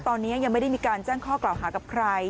ตอนนี้ยังไม่ได้มีการแจ้งข้อกล่าวหากับใคร